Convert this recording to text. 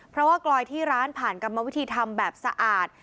เพราะว่ากลอยที่ร้านผ่านกรรมวิธีทำแบบสะอาด